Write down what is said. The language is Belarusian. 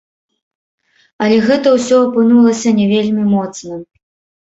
Але гэта ўсё апынулася не вельмі моцным.